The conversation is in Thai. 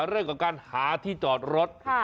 เรื่องของการหาที่จอดรถ